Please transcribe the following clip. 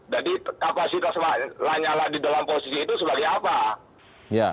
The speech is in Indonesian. kapasitas lanyala di dalam posisi itu sebagai apa